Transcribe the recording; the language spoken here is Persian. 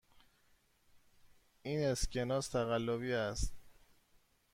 این اسکناس تقلبی است.